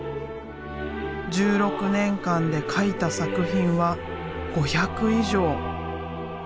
１６年間で描いた作品は５００以上。